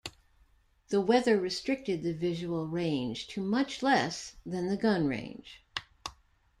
The weather restricted the visual range to much less than the gun range.